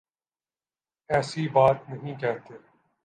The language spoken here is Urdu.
ایسی بات نہیں کہتے